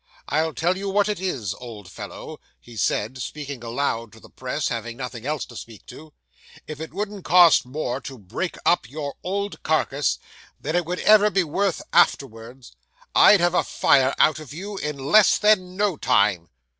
I'll tell you what it is, old fellow," he said, speaking aloud to the press, having nothing else to speak to, "if it wouldn't cost more to break up your old carcass, than it would ever be worth afterward, I'd have a fire out of you in less than no time."